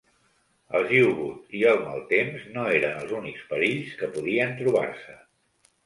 Els U-boot i el mal temps no eren els únics perills que podien trobar-se.